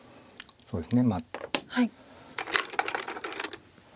そうですね。